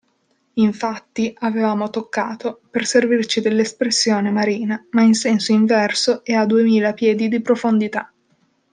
Infatti, avevamo toccato, per servirci dell'espressione marina, ma in senso inverso e a duemila piedi di profondità.